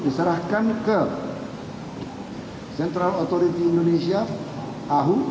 diserahkan ke central authority indonesia ahu